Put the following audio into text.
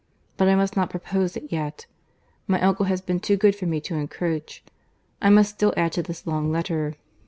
—But I must not propose it yet. My uncle has been too good for me to encroach.—I must still add to this long letter.